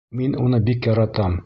Мин уны бик яратам!